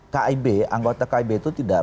kib anggota kib itu tidak